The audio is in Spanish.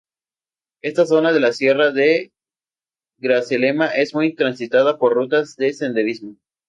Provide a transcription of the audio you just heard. Esta zona de la Sierra de Grazalema es muy transitada por rutas de senderismo.